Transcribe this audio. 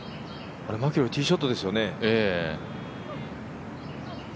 マキロイティーショットですよね？